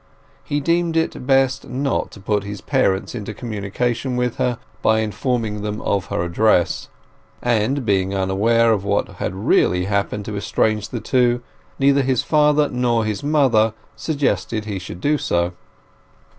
He deemed it best not to put his parents into communication with her by informing them of her address; and, being unaware of what had really happened to estrange the two, neither his father nor his mother suggested that he should do so.